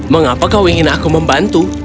mengapa kau ingin aku membantu